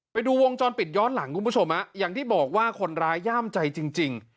ไปดูวงจรปิดย้อนหลังคุณผู้ชมอย่างที่บอกว่าคนร้ายย่ามใจจริง